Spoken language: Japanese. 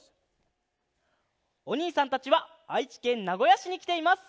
おにいさんたちはあいちけんなごやしにきています！